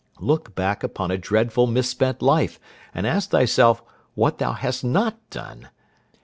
Look back upon a dreadful misspent life, and ask thyself what thou hast not done?